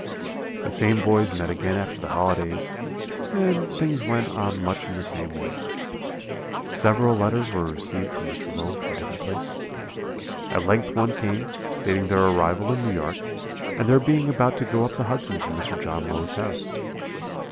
"The same boys met again after the holidays, and things went on much in the same way. "Several letters were received from Mr. Low from different places; at length one came, stating their arrival in New York, and their being about to go up the Hudson to Mr. John Low's house.